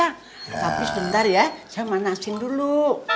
tapi sebentar ya saya manasin dulu